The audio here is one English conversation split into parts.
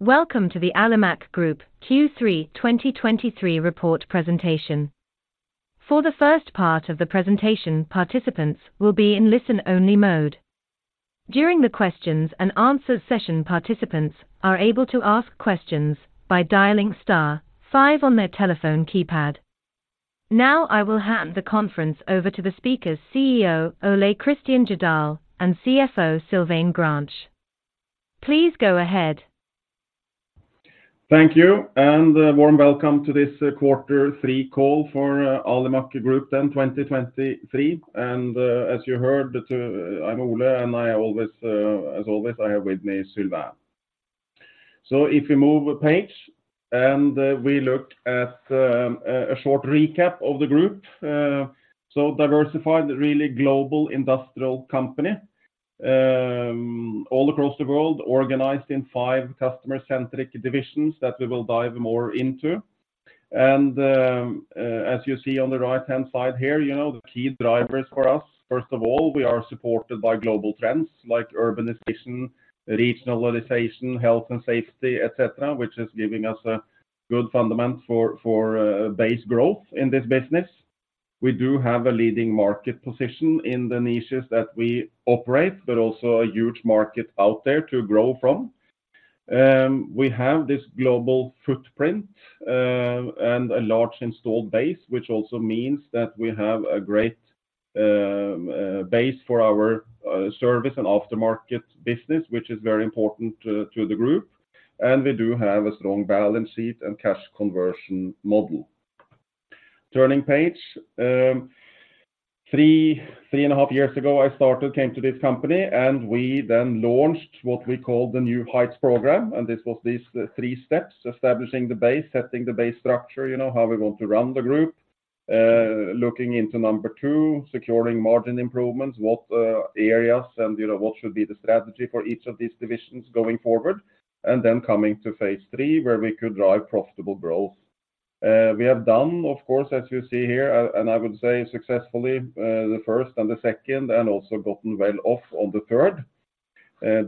Welcome to the Alimak Group Q3 2023 report presentation. For the first part of the presentation, participants will be in listen-only mode. During the questions and answers session, participants are able to ask questions by dialing star five on their telephone keypad. Now, I will hand the conference over to the speakers, CEO Ole Kristian Jødahl and CFO Sylvain Grange. Please go ahead. Thank you, and a warm welcome to this quarter three call for Alimak Group, then, 2023. And, as you heard, I'm Ole, and I always, as always, I have with me Sylvain. So if you move a page, and we look at, a short recap of the group. So diversified, really global industrial company, all across the world, organized in five customer-centric divisions that we will dive more into. And, as you see on the right-hand side here, you know, the key drivers for us, first of all, we are supported by global trends like urbanization, regionalization, health and safety, et cetera, which is giving us a good fundament for, base growth in this business. We do have a leading market position in the niches that we operate, but also a huge market out there to grow from. We have this global footprint and a large installed base, which also means that we have a great base for our service and aftermarket business, which is very important to the group. We do have a strong balance sheet and cash conversion model. Turning page. Three and a half years ago, I came to this company, and we then launched what we called the New Heights program, and this was these three steps: establishing the base, setting the base structure, you know, how we want to run the group. Looking into number two, securing margin improvements, what areas and, you know, what should be the strategy for each of these divisions going forward. And then coming to phase three, where we could drive profitable growth. We have done, of course, as you see here, and I would say successfully, the first and the second, and also gotten well off on the third.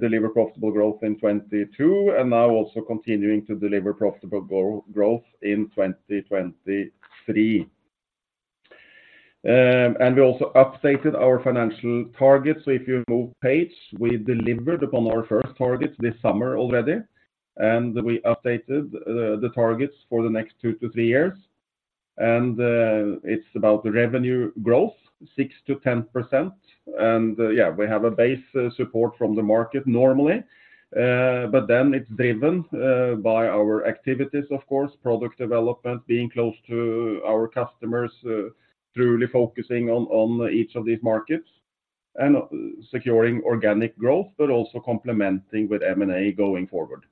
Deliver profitable growth in 2022, and now also continuing to deliver profitable growth in 2023. We also updated our financial targets. So if you move page, we delivered upon our first targets this summer already, and we updated the targets for the next 2-3 years. It's about the revenue growth, 6%-10%. Yeah, we have a base support from the market normally, but then it's driven by our activities, of course, product development, being close to our customers, truly focusing on each of these markets and securing organic growth, but also complementing with M&A going forward.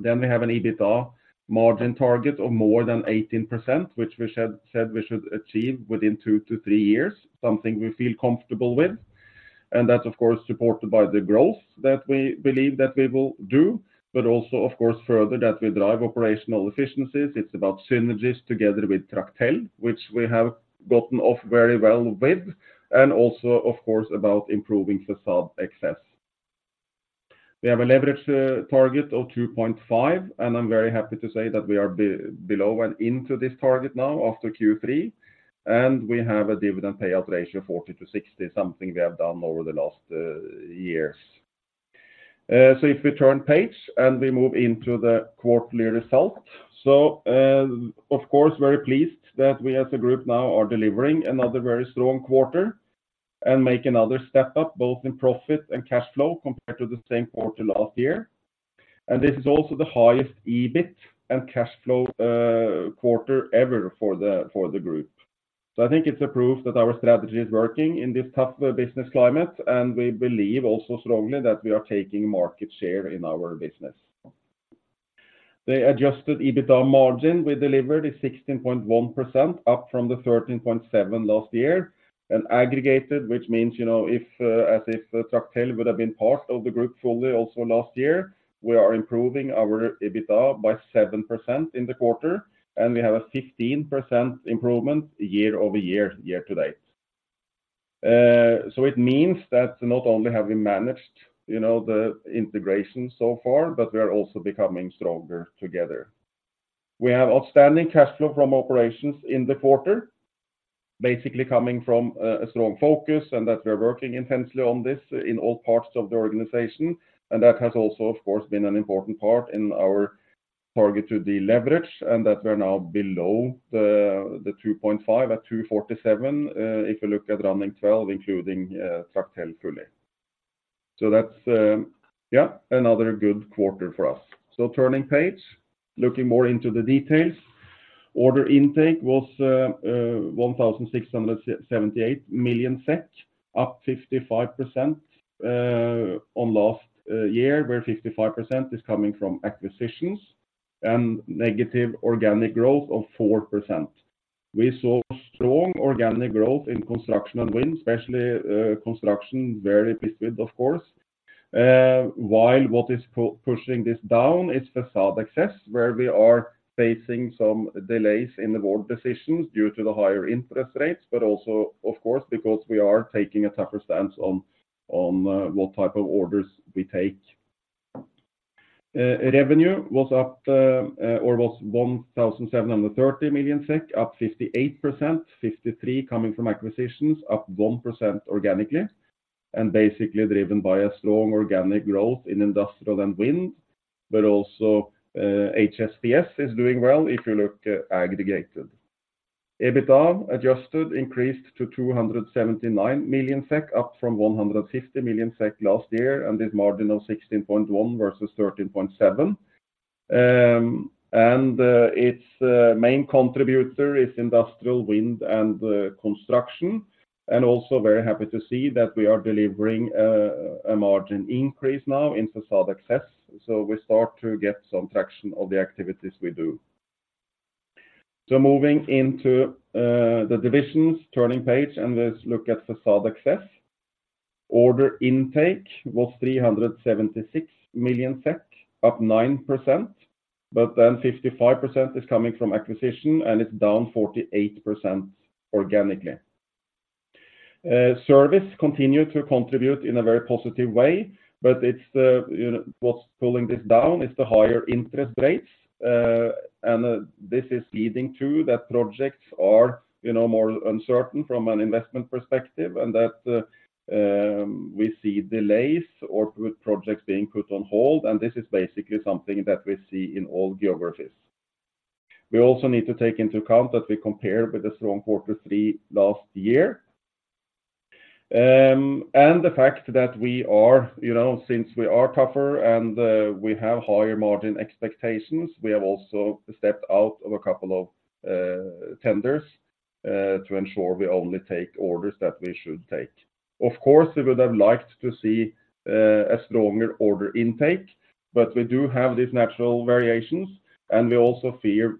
Then we have an EBITDA margin target of more than 18%, which we said we should achieve within 2-3 years, something we feel comfortable with. And that's, of course, supported by the growth that we believe that we will do, but also, of course, further, that we drive operational efficiencies. It's about synergies together with Tractel, which we have gotten off very well with, and also, of course, about improving facade access. We have a leverage target of 2.5, and I'm very happy to say that we are below and into this target now after Q3, and we have a dividend payout ratio of 40-60, something we have done over the last years. So if we turn page, and we move into the quarterly result. So, of course, very pleased that we as a group now are delivering another very strong quarter and make another step up, both in profit and cash flow compared to the same quarter last year. And this is also the highest EBIT and cash flow quarter ever for the, for the group. So I think it's a proof that our strategy is working in this tough business climate, and we believe also strongly that we are taking market share in our business. The adjusted EBITDA margin we delivered is 16.1%, up from the 13.7% last year. And aggregated, which means, you know, if, as if Tractel would have been part of the group fully also last year, we are improving our EBITDA by 7% in the quarter, and we have a 15% improvement year-over-year, year-to-date. So it means that not only have we managed, you know, the integration so far, but we are also becoming stronger together. We have outstanding cash flow from operations in the quarter, basically coming from a strong focus and that we're working intensely on this in all parts of the organization. And that has also, of course, been an important part in our target to deleverage and that we're now below the 2.5, at 2.47, if you look at running 12, including Tractel fully. So that's, yeah, another good quarter for us. So turning page, looking more into the details. Order intake was 1,678 million SEK, up 55% on last year, where 55% is coming from acquisitions and negative organic growth of 4%. We saw strong organic growth in construction and wind, especially construction, very pleased with, of course. While what is pushing this down is facade access, where we are facing some delays in the board decisions due to the higher interest rates, but also, of course, because we are taking a tougher stance on what type of orders we take. Revenue was up, or was 1,730 million SEK, up 58%, 53% coming from acquisitions, up 1% organically, and basically driven by a strong organic growth in industrial and wind. Also, HSPS is doing well if you look at aggregated. EBITDA, adjusted, increased to 279 million SEK, up from 150 million SEK last year, and this margin of 16.1% versus 13.7%. And, its main contributor is industrial wind and construction, and also very happy to see that we are delivering a margin increase now in Facade Access, so we start to get some traction of the activities we do. So moving into the divisions, turning page, and let's look at Facade Access. Order intake was 376 million SEK, up 9%, but then 55% is coming from acquisition, and it's down 48% organically. Service continued to contribute in a very positive way, but it's the, you know, what's pulling this down is the higher interest rates, and this is leading to that projects are, you know, more uncertain from an investment perspective, and that we see delays or with projects being put on hold, and this is basically something that we see in all geographies. We also need to take into account that we compare with the strong quarter three last year, and the fact that we are, you know, since we are tougher and we have higher margin expectations, we have also stepped out of a couple of tenders to ensure we only take orders that we should take. Of course, we would have liked to see a stronger order intake, but we do have these natural variations, and we also feel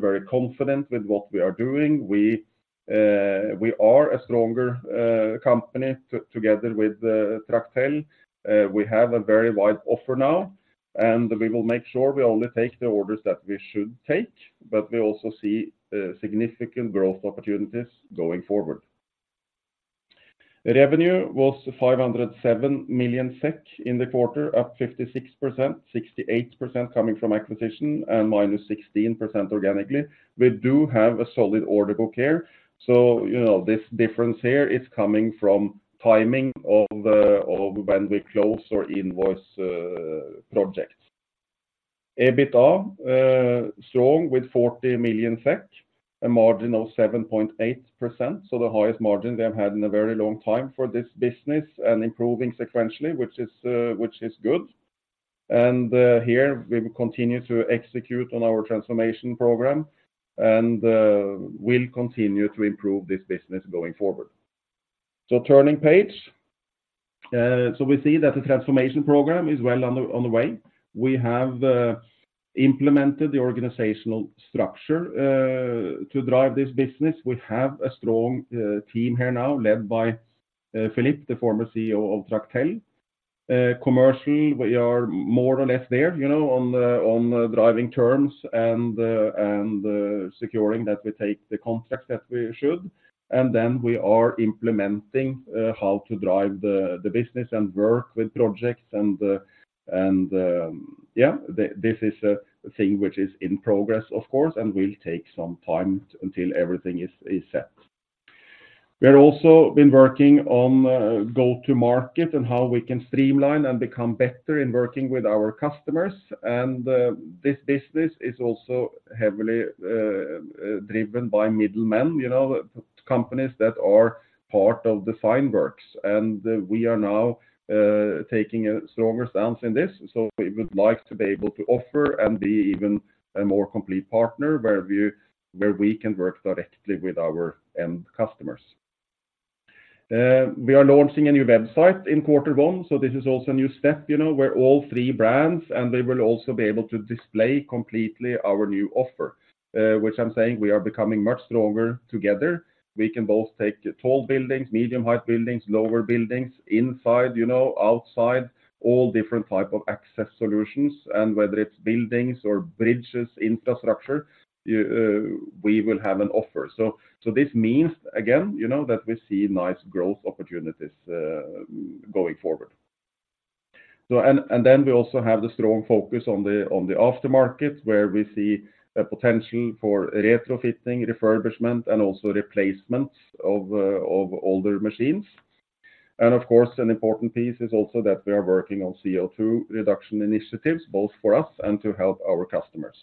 very confident with what we are doing. We, we are a stronger company together with Tractel. We have a very wide offer now, and we will make sure we only take the orders that we should take, but we also see significant growth opportunities going forward. Revenue was 507 million SEK in the quarter, up 56%, 68% coming from acquisition and -16% organically. We do have a solid order book here, so you know, this difference here is coming from timing of, of when we close or invoice, projects. EBITDA, strong with 40 million SEK, a margin of 7.8%, so the highest margin they have had in a very long time for this business and improving sequentially, which is, which is good. And, here we will continue to execute on our transformation program and, will continue to improve this business going forward. So turning page. So we see that the transformation program is well on the, on the way. We have, implemented the organizational structure, to drive this business. We have a strong team here now, led by Philippe, the former CEO of Tractel. Commercial, we are more or less there, you know, on the driving terms and the securing that we take the contracts that we should. And then we are implementing how to drive the business and work with projects, and yeah, this is a thing which is in progress, of course, and will take some time until everything is set. We're also been working on go-to-market and how we can streamline and become better in working with our customers, and this business is also heavily driven by middlemen, you know, companies that are part of the frameworks, and we are now taking a stronger stance in this. So we would like to be able to offer and be even a more complete partner, where we can work directly with our end customers. We are launching a new website in quarter one, so this is also a new step, you know, where all three brands, and we will also be able to display completely our new offer, which I'm saying we are becoming much stronger together. We can both take tall buildings, medium height buildings, lower buildings, inside, you know, outside, all different type of access solutions, and whether it's buildings or bridges, infrastructure, we will have an offer. So this means, again, you know, that we see nice growth opportunities, going forward. And then we also have the strong focus on the aftermarket, where we see a potential for retrofitting, refurbishment, and also replacement of older machines. And of course, an important piece is also that we are working on CO2 reduction initiatives, both for us and to help our customers.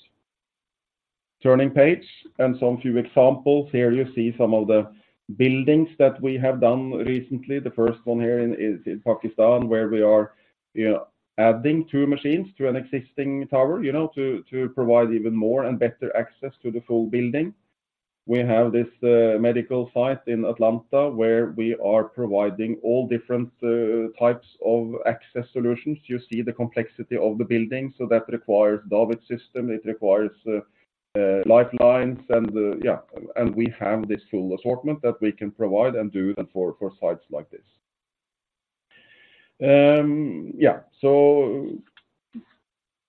Turning page, and some few examples. Here you see some of the buildings that we have done recently. The first one here is in Pakistan, where we are, you know, adding two machines to an existing tower, you know, to provide even more and better access to the full building. We have this medical site in Atlanta, where we are providing all different types of access solutions. You see the complexity of the building, so that requires davit system, it requires lifelines, and we have this full assortment that we can provide and do that for sites like this. So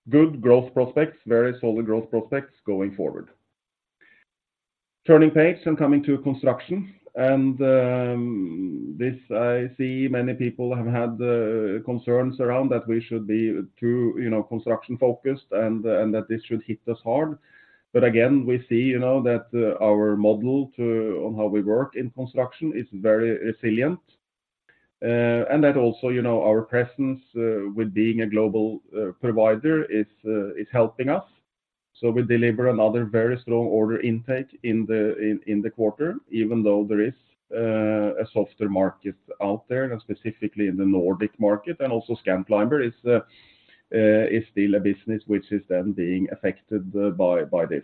good growth prospects, very solid growth prospects going forward. Turning the page and coming to construction. This I see many people have had concerns around that we should be too, you know, construction focused and that this should hit us hard. But again, we see, you know, that our model to, on how we work in construction is very resilient. And that also, you know, our presence with being a global provider is helping us. So we deliver another very strong order intake in the quarter, even though there is a softer market out there, and specifically in the Nordic market, and also Scanclimber is still a business which is then being affected by this.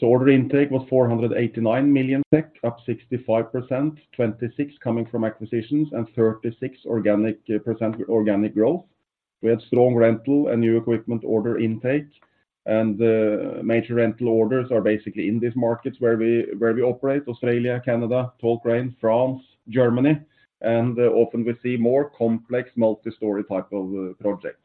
So order intake was 489 million SEK, up 65%, 26% coming from acquisitions and 36% organic growth. We had strong rental and new equipment order intake, and major rental orders are basically in these markets where we operate, Australia, Canada, Tall Crane, France, Germany, and often we see more complex multi-story type of projects.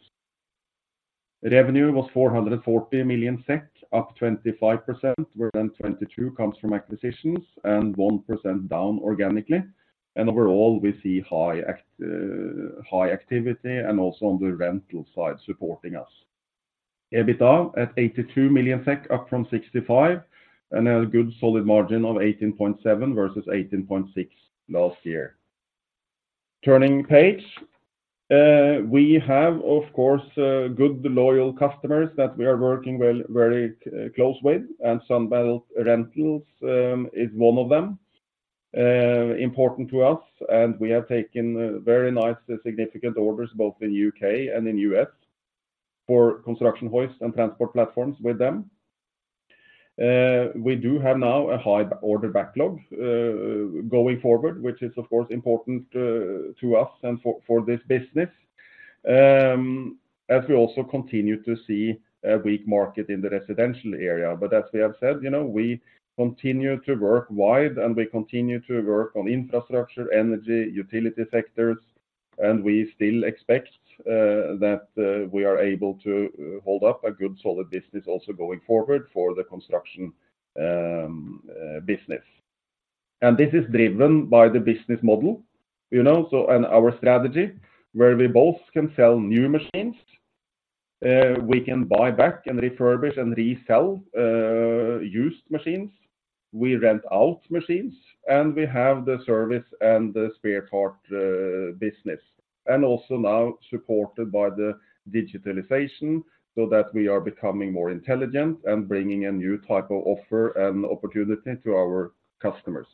Revenue was 440 million SEK, up 25%, where then 22% comes from acquisitions and 1% down organically. And overall, we see high activity and also on the rental side supporting us. EBITDA at 82 million SEK, up from 65 million, and a good solid margin of 18.7% versus 18.6% last year. Turning page. We have, of course, good, loyal customers that we are working well, very close with, and Sunbelt Rentals is one of them, important to us, and we have taken very nice, significant orders, both in UK and in US, for construction hoists and transport platforms with them. We do have now a high order backlog, going forward, which is, of course, important, to us and for, for this business, as we also continue to see a weak market in the residential area. But as we have said, you know, we continue to work wide and we continue to work on infrastructure, energy, utility sectors, and we still expect that we are able to hold up a good solid business also going forward for the construction business. And this is driven by the business model, you know, so, and our strategy, where we both can sell new machines, we can buy back and refurbish and resell used machines, we rent out machines, and we have the service and the spare part business, and also now supported by the digitalization, so that we are becoming more intelligent and bringing a new type of offer and opportunity to our customers.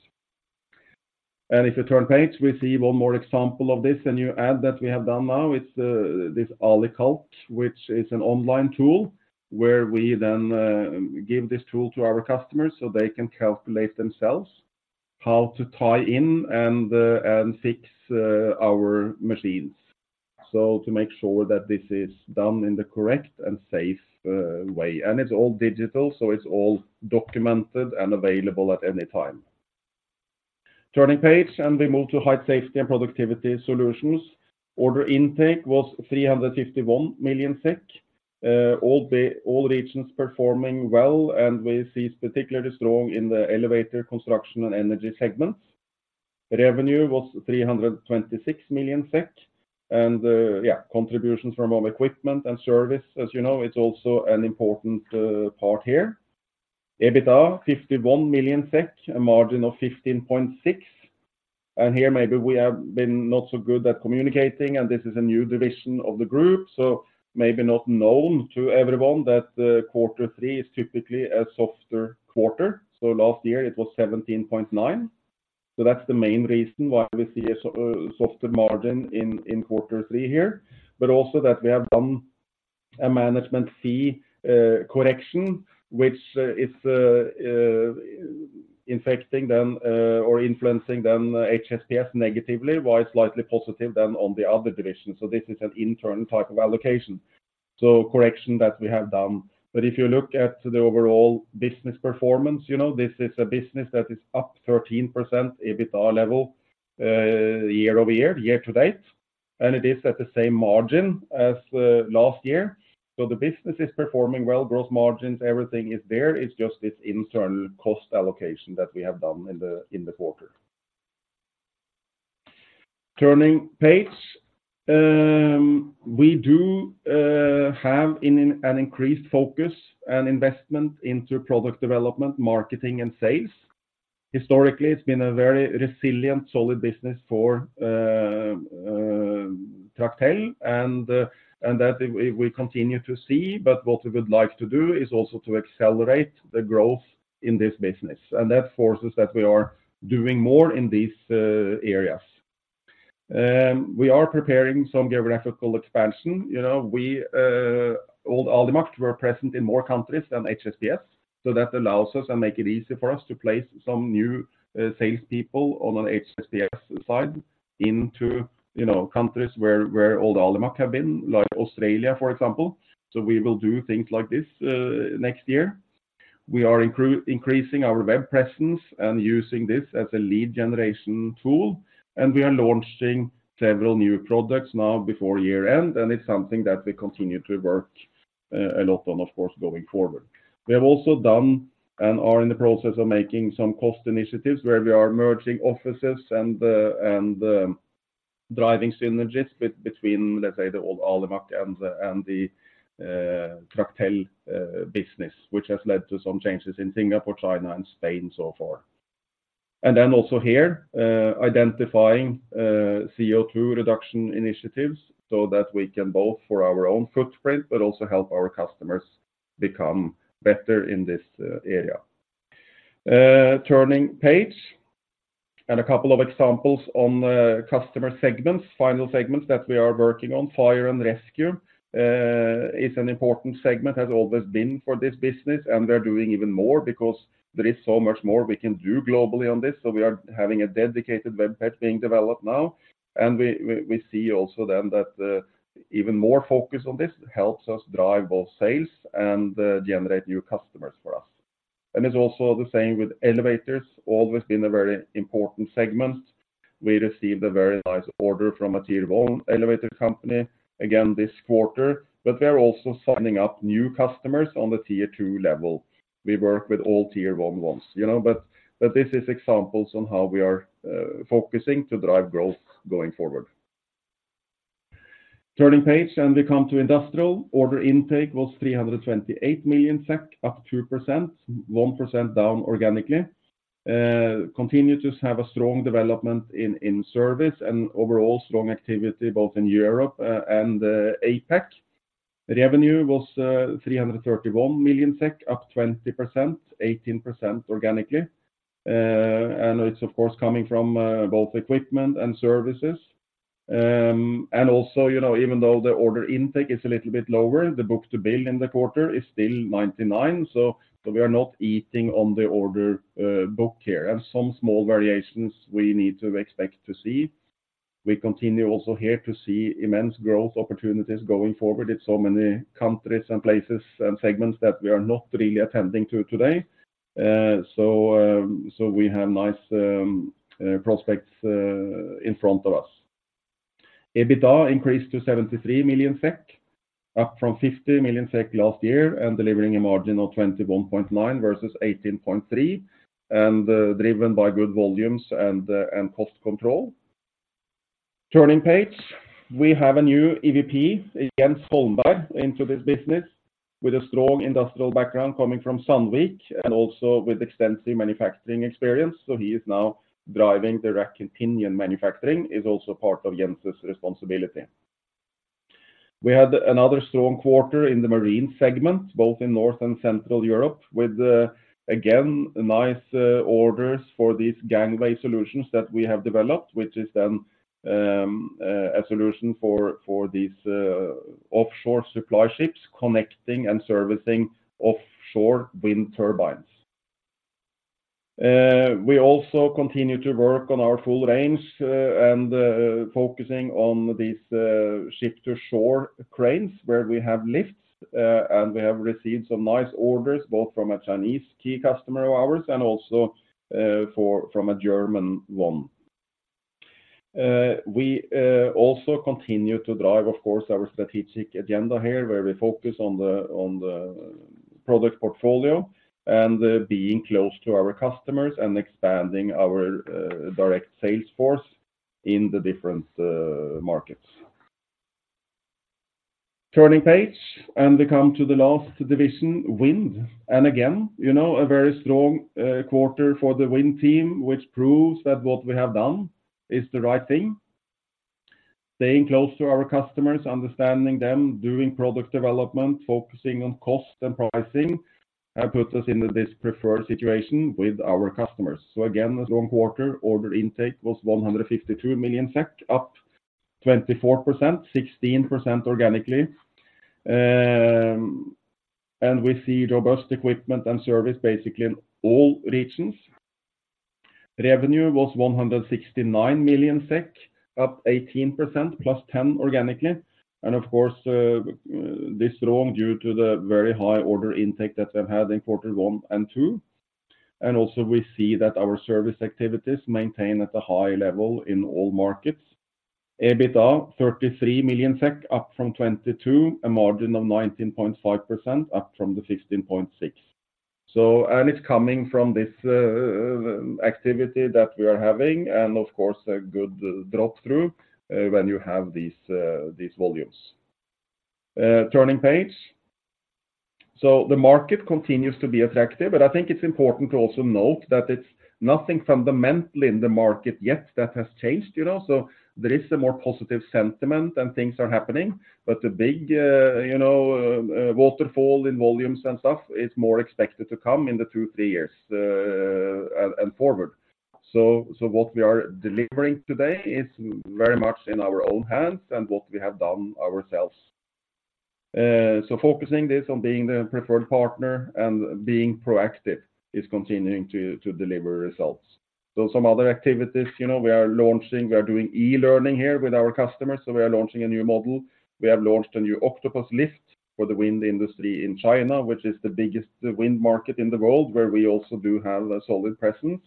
And if you turn page, we see one more example of this, a new ad that we have done now. It's this AliCalc, which is an online tool, where we then give this tool to our customers so they can calculate themselves how to tie in and fix our machines. So to make sure that this is done in the correct and safe way. And it's all digital, so it's all documented and available at any time. Turning page, and we move to Height Safety and Productivity Solutions. Order intake was 351 million SEK, all regions performing well, and we see particularly strong in the elevator, construction and energy segments. Revenue was 326 million SEK, and yeah, contributions from our equipment and service, as you know, it's also an important part here. EBITDA, 51 million SEK, a margin of 15.6%. Here, maybe we have been not so good at communicating, and this is a new division of the group, so maybe not known to everyone that quarter three is typically a softer quarter. So last year it was 17.9. So that's the main reason why we see a softer margin in quarter three here, but also that we have done a management fee correction, which is affecting them or influencing them, HSPS negatively, while it's slightly positive than on the other divisions. So this is an internal type of allocation, so correction that we have done. But if you look at the overall business performance, you know, this is a business that is up 13% EBITDA level year-over-year, year-to-date, and it is at the same margin as last year. So the business is performing well, growth margins, everything is there. It's just this internal cost allocation that we have done in the quarter. Turning page. We do have an increased focus and investment into product development, marketing and sales. Historically, it's been a very resilient, solid business for Tractel, and that we continue to see, but what we would like to do is also to accelerate the growth in this business, and that forces that we are doing more in these areas. We are preparing some geographical expansion. You know, we old Alimak were present in more countries than HSPS, so that allows us and make it easy for us to place some new salespeople on an HSPS side into, you know, countries where old Alimak have been, like Australia, for example. So we will do things like this next year. We are increasing our web presence and using this as a lead generation tool, and we are launching several new products now before year end, and it's something that we continue to work on a lot on, of course, going forward. We have also done and are in the process of making some cost initiatives where we are merging offices and the and the driving synergies between, let's say, the old Alimak and the and the Tractel business, which has led to some changes in Singapore, China, and Spain, so forth. And then also here identifying CO₂ reduction initiatives so that we can both for our own footprint, but also help our customers become better in this area. Turning page, and a couple of examples on the customer segments, final segments that we are working on. Fire and rescue is an important segment, has always been for this business, and we're doing even more because there is so much more we can do globally on this. So we are having a dedicated web page being developed now, and we see also then that even more focus on this helps us drive both sales and generate new customers for us. And it's also the same with elevators, always been a very important segment. We received a very nice order from a tier one elevator company, again this quarter, but we are also signing up new customers on the tier two level. We work with all tier one ones, you know, but, but this is examples on how we are focusing to drive growth going forward. Turning page, and we come to industrial. Order intake was 328 million SEK, up 2%, 1% down organically. Continue to have a strong development in, in service and overall strong activity, both in Europe and APAC. Revenue was 331 million SEK, up 20%, 18% organically. And it's of course coming from both equipment and services. And also, you know, even though the order intake is a little bit lower, the book to bill in the quarter is still 99, so, so we are not eating on the order book here, and some small variations we need to expect to see. We continue also here to see immense growth opportunities going forward in so many countries and places and segments that we are not really attending to today. So we have nice prospects in front of us. EBITDA increased to 73 million SEK, up from 50 million SEK last year, and delivering a margin of 21.9% versus 18.3%, and driven by good volumes and cost control. Turning page. We have a new EVP, Jens Holmberg, into this business with a strong industrial background coming from Sandvik and also with extensive manufacturing experience. So he is now driving the rack-and-pinion manufacturing, is also part of Jens's responsibility. We had another strong quarter in the marine segment, both in North and Central Europe, with, again, nice orders for these gangway solutions that we have developed, which is then a solution for, for these, offshore supply ships, connecting and servicing offshore wind turbines. We also continue to work on our full range, and, focusing on these, ship-to-shore cranes, where we have lifts, and we have received some nice orders, both from a Chinese key customer of ours and also, from a German one. We also continue to drive, of course, our strategic agenda here, where we focus on the, on the product portfolio and, being close to our customers and expanding our, direct sales force in the different, markets. Turning page, and we come to the last division, wind. And again, you know, a very strong quarter for the wind team, which proves that what we have done is the right thing. Staying close to our customers, understanding them, doing product development, focusing on cost and pricing, have put us into this preferred situation with our customers. So again, a strong quarter, order intake was 152 million SEK, up 24%, 16% organically. And we see robust equipment and service basically in all regions. Revenue was 169 million SEK, up 18%, plus 10% organically. And of course, this strong due to the very high order intake that we've had in quarter one and two. And also, we see that our service activities maintain at a high level in all markets. EBITDA, 33 million SEK, up from 22 million SEK, a margin of 19.5%, up from the 16.6%. So, and it's coming from this activity that we are having, and of course, a good drop-through, when you have these volumes. Turning page. So the market continues to be attractive, but I think it's important to also note that it's nothing fundamentally in the market yet that has changed, you know? So there is a more positive sentiment, and things are happening, but the big, you know, waterfall in volumes and stuff is more expected to come in the 2-3 years, and forward. So, what we are delivering today is very much in our own hands and what we have done ourselves. So focusing this on being the preferred partner and being proactive is continuing to deliver results. So some other activities, you know, we are launching, we are doing e-learning here with our customers, so we are launching a new model. We have launched a new Octopus lift for the wind industry in China, which is the biggest wind market in the world, where we also do have a solid presence...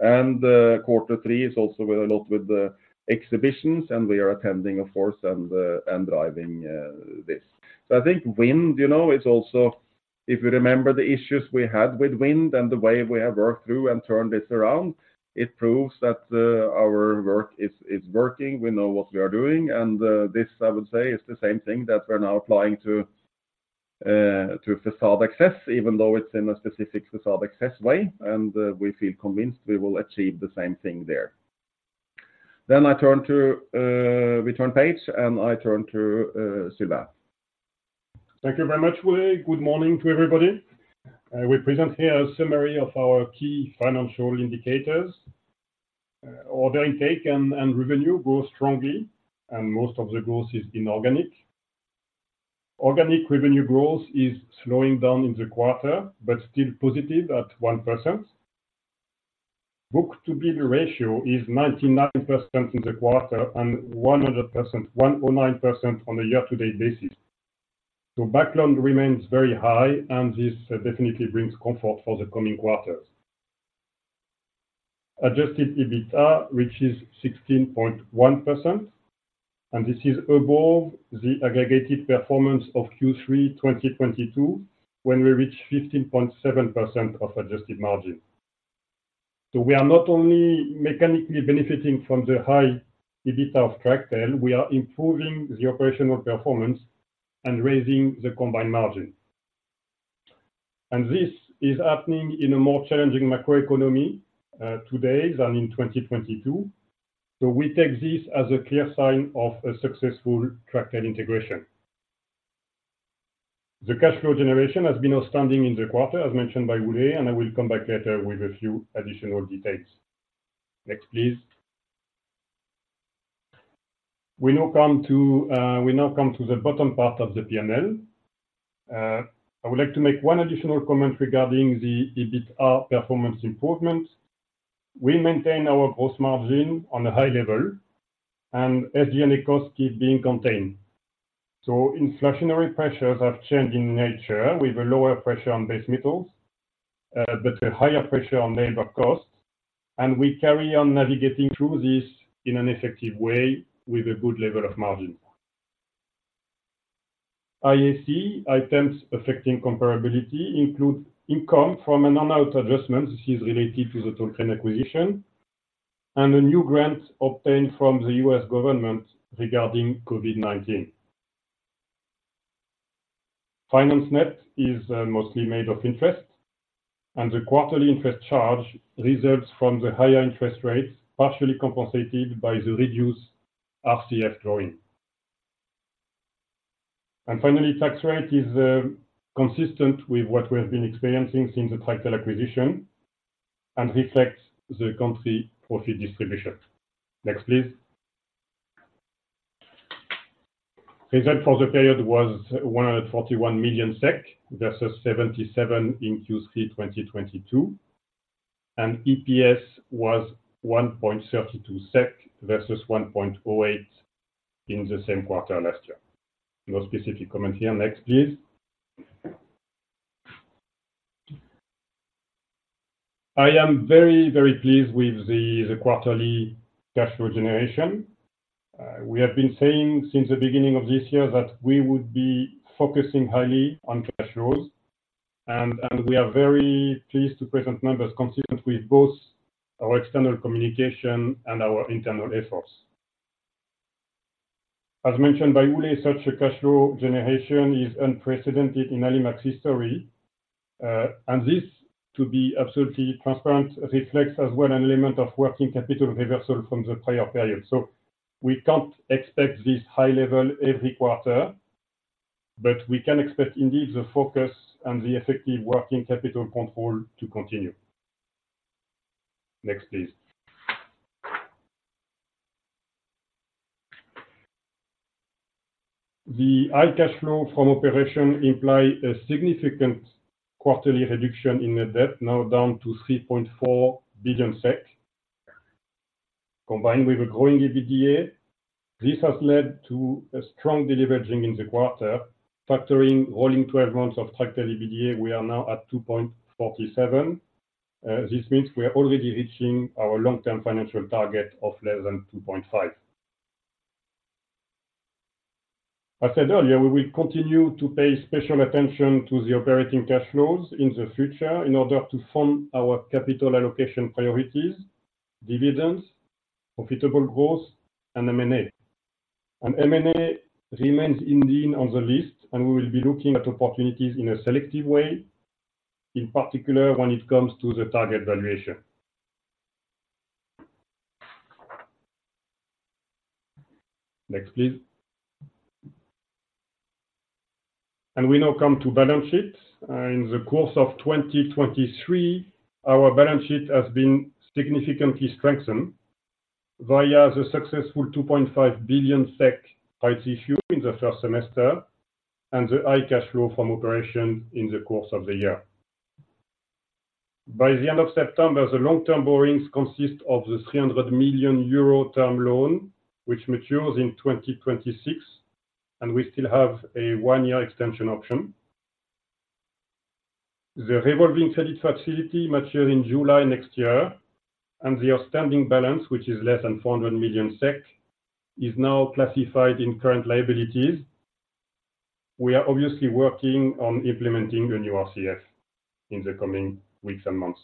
and quarter three is also with a lot with the exhibitions, and we are attending, of course, and driving this. So I think wind, you know, is also, if you remember the issues we had with wind and the way we have worked through and turned this around, it proves that our work is working. We know what we are doing, and, this, I would say, is the same thing that we're now applying to, to facade access, even though it's in a specific facade access way, and, we feel convinced we will achieve the same thing there. Then I turn to, we turn page, and I turn to, Sylvain. Thank you very much, Ole. Good morning to everybody. I will present here a summary of our key financial indicators. Order intake and revenue grow strongly, and most of the growth is inorganic. Organic revenue growth is slowing down in the quarter, but still positive at 1%. Book-to-bill ratio is 99% in the quarter and 100%, 109% on a year-to-date basis. So backlog remains very high, and this definitely brings comfort for the coming quarters. Adjusted EBITDA, which is 16.1%, and this is above the aggregated performance of Q3 2022, when we reached 15.7% of adjusted margin. So we are not only mechanically benefiting from the high EBITDA of Tractel, we are improving the operational performance and raising the combined margin. And this is happening in a more challenging macroeconomy today than in 2022. So we take this as a clear sign of a successful Tractel integration. The cash flow generation has been outstanding in the quarter, as mentioned by Ole, and I will come back later with a few additional details. Next, please. We now come to the bottom part of the P&L. I would like to make one additional comment regarding the EBITDA performance improvement. We maintain our gross margin on a high level and SG&A costs keep being contained. So inflationary pressures have changed in nature, with a lower pressure on base metals, but a higher pressure on labor costs, and we carry on navigating through this in an effective way with a good level of margin. IAC, items affecting comparability, include income from a earn-out adjustment, this is related to the Tall Crane Equipment acquisition, and a new grant obtained from the U.S. government regarding COVID-19. Finance net is mostly made of interest, and the quarterly interest charge reserves from the higher interest rates, partially compensated by the reduced RCF drawing. Finally, tax rate is consistent with what we have been experiencing since the Tractel acquisition and reflects the country profit distribution. Next, please. Result for the period was 141 million SEK, versus 77 million in Q3 2022, and EPS was 1.32 SEK, versus 1.08 in the same quarter last year. No specific comment here. Next, please. I am very, very pleased with the quarterly cash flow generation. We have been saying since the beginning of this year that we would be focusing highly on cash flows, and we are very pleased to present numbers consistent with both our external communication and our internal efforts. As mentioned by Ole, such a cash flow generation is unprecedented in Alimak's history, and this, to be absolutely transparent, reflects as well an element of working capital reversal from the prior period. So we can't expect this high level every quarter, but we can expect indeed, the focus and the effective working capital control to continue. Next, please. The high cash flow from operation imply a significant quarterly reduction in the debt, now down to 3.4 billion SEK. Combined with a growing EBITDA, this has led to a strong deleveraging in the quarter. Factoring rolling 12 months of Tractel EBITDA, we are now at 2.47. This means we are already reaching our long-term financial target of less than 2.5. I said earlier, we will continue to pay special attention to the operating cash flows in the future in order to fund our capital allocation priorities, dividends, profitable growth, and M&A. M&A remains indeed on the list, and we will be looking at opportunities in a selective way, in particular, when it comes to the target valuation. Next, please. We now come to balance sheet. In the course of 2023, our balance sheet has been significantly strengthened via the successful 2.5 billion SEK rights issue in the first semester, and the high cash flow from operation in the course of the year. By the end of September, the long-term borrowings consist of the 300 million euro term loan, which matures in 2026, and we still have a 1-year extension option. The revolving credit facility matures in July next year, and the outstanding balance, which is less than 400 million SEK, is now classified in current liabilities. We are obviously working on implementing the new RCF in the coming weeks and months.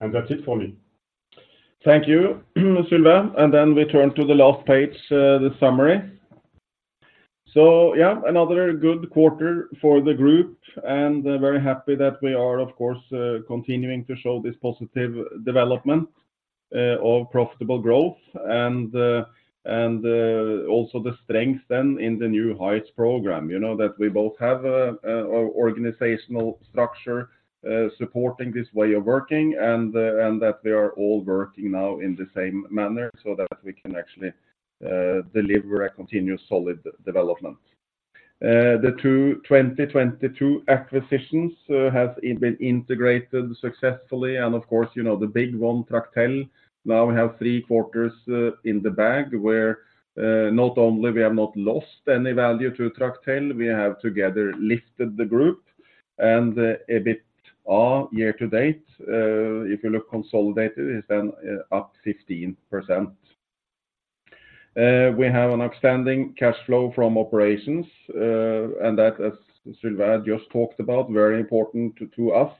That's it for me. Thank you, Sylvain. And then we turn to the last page, the summary. So yeah, another good quarter for the group, and very happy that we are, of course, continuing to show this positive development of profitable growth and the, and the also the strength then in the New Heights program, you know, that we both have a organizational structure supporting this way of working and the, and that we are all working now in the same manner so that we can actually deliver a continuous solid development. The 2022 acquisitions have been integrated successfully, and of course, you know, the big one, Tractel, now we have three quarters in the bag, where not only we have not lost any value to Tractel, we have together lifted the group. A bit year to date, if you look consolidated, is then up 15%. We have an outstanding cash flow from operations, and that, as Sylvain just talked about, very important to us,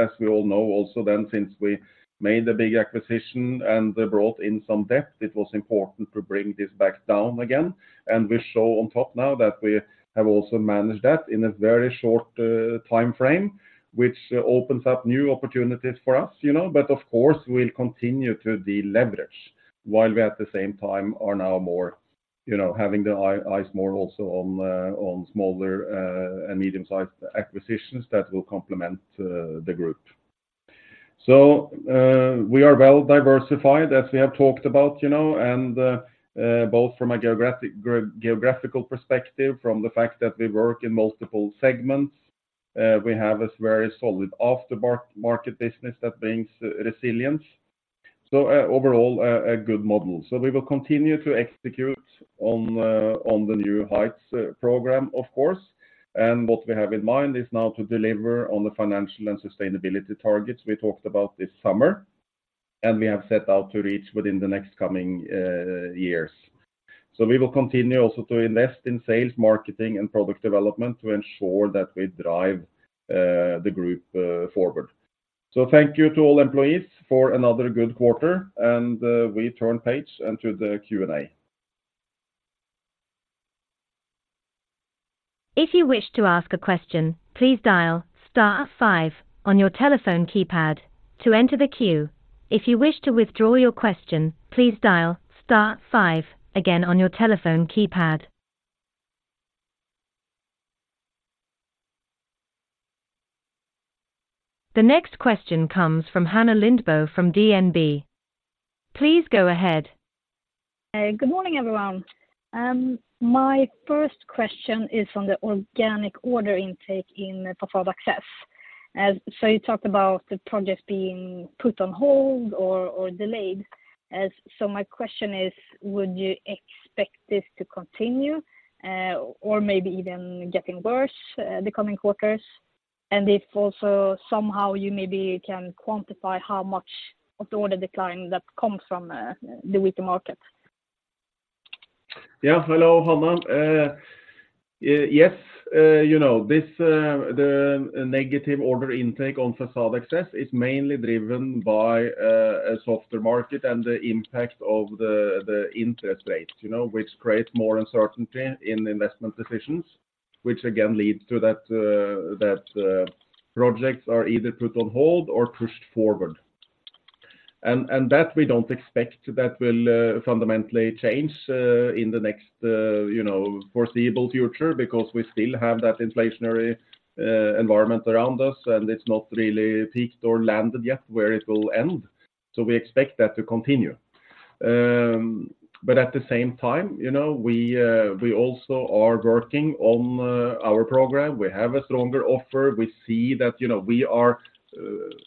as we all know, also then since we made the big acquisition and brought in some debt, it was important to bring this back down again. And we show on top now that we have also managed that in a very short time frame, which opens up new opportunities for us, you know, but of course, we'll continue to deleverage while we at the same time are now more, you know, having our eyes more also on the smaller and medium-sized acquisitions that will complement the group. So, we are well diversified, as we have talked about, you know, and both from a geographical perspective, from the fact that we work in multiple segments, we have a very solid aftermarket business that brings resilience. So, overall, a good model. So we will continue to execute on the New Heights program, of course, and what we have in mind is now to deliver on the financial and sustainability targets we talked about this summer, and we have set out to reach within the next coming years. So we will continue also to invest in sales, marketing, and product development to ensure that we drive the group forward. So thank you to all employees for another good quarter, and we turn page into the Q&A. If you wish to ask a question, please dial star five on your telephone keypad to enter the queue. If you wish to withdraw your question, please dial star five again on your telephone keypad. The next question comes from Hanna Lindbo from DNB. Please go ahead. Good morning, everyone. My first question is on the organic order intake in Façade Access. So you talked about the project being put on hold or delayed. So my question is, would you expect this to continue or maybe even getting worse the coming quarters? And if also somehow you maybe can quantify how much of the order decline that comes from the weaker market. Yeah. Hello, Hanna. Yes, you know, this, the negative order intake on Facade Access is mainly driven by a softer market and the impact of the interest rate, you know, which creates more uncertainty in investment decisions, which again leads to that projects are either put on hold or pushed forward. And that we don't expect that will fundamentally change in the next, you know, foreseeable future, because we still have that inflationary environment around us, and it's not really peaked or landed yet where it will end. So we expect that to continue. But at the same time, you know, we, we also are working on our program. We have a stronger offer. We see that, you know, we are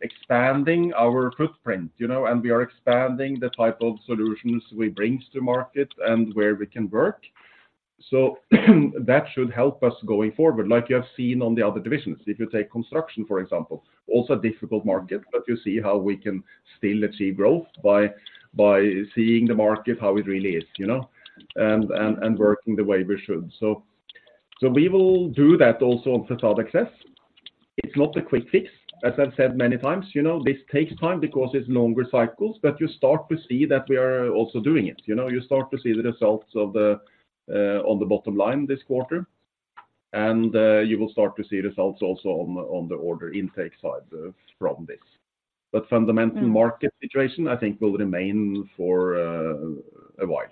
expanding our footprint, you know, and we are expanding the type of solutions we bring to market and where we can work. So that should help us going forward, like you have seen on the other divisions. If you take construction, for example, also a difficult market, but you see how we can still achieve growth by seeing the market, how it really is, you know, and working the way we should. So we will do that also on Facade Access. It's not a quick fix, as I've said many times, you know, this takes time because it's longer cycles, but you start to see that we are also doing it. You know, you start to see the results of the on the bottom line this quarter, and you will start to see results also on the on the order intake side from this. But fundamental- Mm. Market situation, I think, will remain for a while.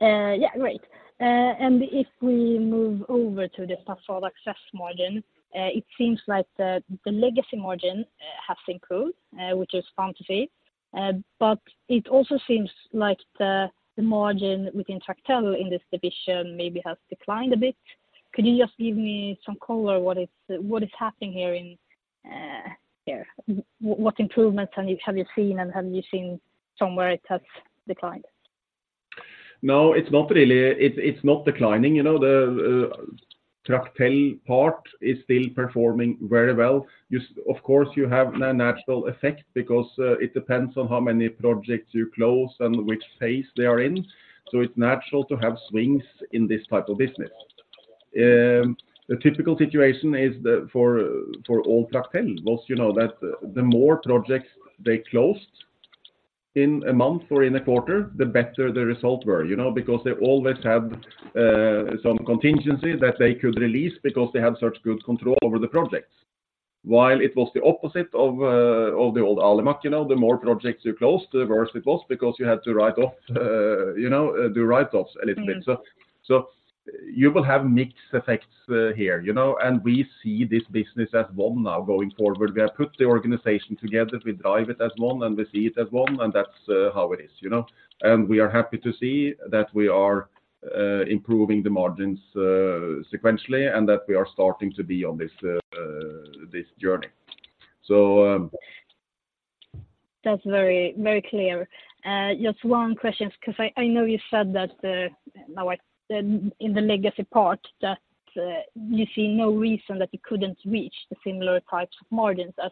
Yeah, great. And if we move over to the Facade Access margin, it seems like the legacy margin has improved, which is fun to see. But it also seems like the margin within Tractel in this division maybe has declined a bit. Could you just give me some color, what is happening here? What improvements have you seen, and have you seen somewhere it has declined? No, it's not really. It's not declining. You know, the Tractel part is still performing very well. You, of course, you have a natural effect because it depends on how many projects you close and which phase they are in, so it's natural to have swings in this type of business. The typical situation is, for old Tractel, was, you know, that the more projects they closed in a month or in a quarter, the better the result were, you know, because they always had some contingencies that they could release because they had such good control over the projects. While it was the opposite of the old Alimak, you know, the more projects you closed, the worse it was because you had to write off, you know, do write-offs a little bit. So, you will have mixed effects here, you know, and we see this business as one now going forward. We have put the organization together, we drive it as one, and we see it as one, and that's how it is, you know? We are happy to see that we are improving the margins sequentially, and that we are starting to be on this journey. So, That's very, very clear. Just one question, 'cause I know you said that now in the legacy part, that you see no reason that you couldn't reach the similar types of margins as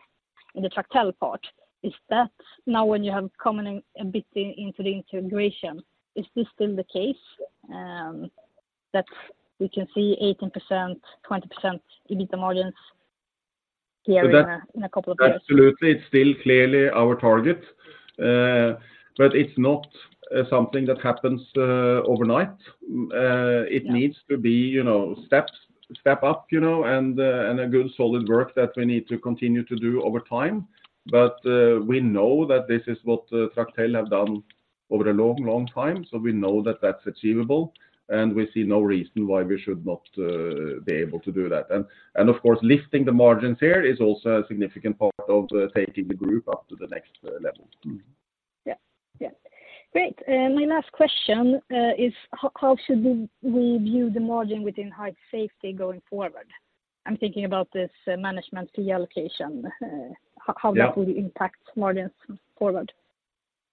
in the Tractel part. Is that now when you have come in a bit into the integration, is this still the case, that we can see 18%-20% EBIT margins here in a couple of years? Absolutely, it's still clearly our target, but it's not something that happens overnight. Yeah. It needs to be, you know, steps, step up, you know, and, and a good solid work that we need to continue to do over time. But, we know that this is what, Tractel have done over a long, long time, so we know that that's achievable, and we see no reason why we should not, be able to do that. And, and of course, lifting the margins here is also a significant part of, taking the group up to the next, level. Yeah. Yeah. Great, my last question is how should we view the margin within height safety going forward? I'm thinking about this management fee allocation. Yeah. How this will impact margins forward?